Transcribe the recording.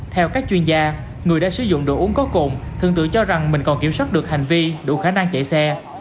theo các chuyên gia người đã sử dụng đồ uống có cồn thường tự cho rằng mình còn kiểm soát được hành vi đủ khả năng chạy xe